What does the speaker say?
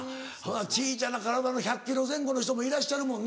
小ちゃな体の１００ｋｇ前後の人もいらっしゃるもんね？